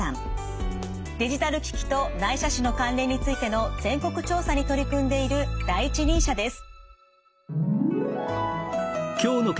デジタル機器と内斜視の関連についての全国調査に取り組んでいる第一人者です。